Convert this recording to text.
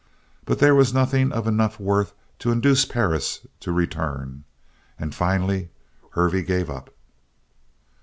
But there was nothing of enough worth to induce Perris to return, and finally Hervey gave up.